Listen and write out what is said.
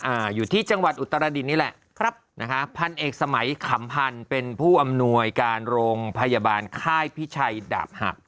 อ่าอยู่ที่จังหวัดอุตรดินนี่แหละครับนะคะพันเอกสมัยขำพันธ์เป็นผู้อำนวยการโรงพยาบาลค่ายพิชัยดาบหัก